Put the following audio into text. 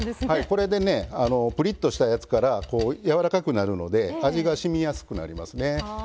これでプリッとしたやつからやわらかくなるので味がしみやすくなりますね。